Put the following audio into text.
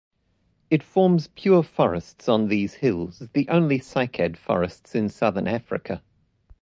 It forms pure forests on these hills, the only cycad forests in Southern Africa.